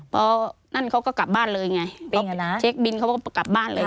พอนั่นเขาก็กลับบ้านเลยไงเช็คบินเขาก็กลับบ้านเลย